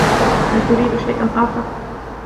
هل تريد شيئا آخر ؟